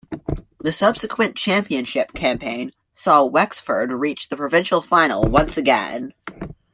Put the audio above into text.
The subsequent championship campaign saw Wexford reach the provincial final once again.